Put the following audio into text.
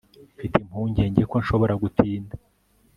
mfite impungenge ko nshobora gutinda